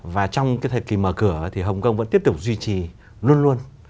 và trong cái thời kỳ mở cửa thì hồng kông vẫn tiếp tục duy trì luôn luôn